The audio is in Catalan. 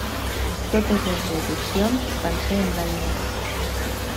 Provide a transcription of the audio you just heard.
Totes les edicions van ser en blanc-i-negre.